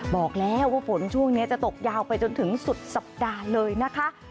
บอกแล้วว่าฝนช่วงนี้จะตกยาวไปจนถึงสุดสัปดาห์เลยนะคะ